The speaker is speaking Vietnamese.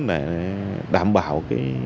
để đảm bảo